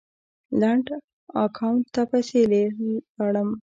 لنډ اکاونټ ته پسې لاړم